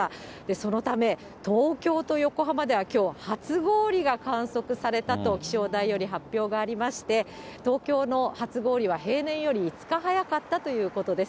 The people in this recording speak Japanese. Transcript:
そのため、東京と横浜ではきょう、初氷が観測されたと、気象台より発表がありまして、東京の初氷は平年より５日早かったということです。